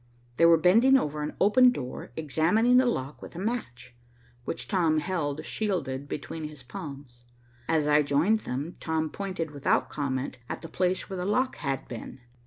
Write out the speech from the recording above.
They were bending over an open door, examining the lock with a match, which Tom held shielded between his palms. As I joined them, Tom pointed without comment at the place where the lock had been.